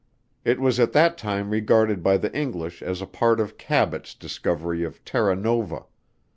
It was at that time regarded by the English as a part of CABOT'S discovery of Terra Nova.